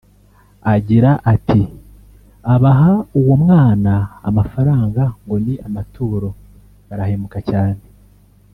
Agira ati “Abaha uwo mwana amafaranga ngo ni amaturo barahemuka cyane